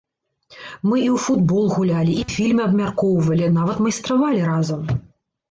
Мы і ў футбол гулялі, і фільмы абмяркоўвалі, нават майстравалі разам.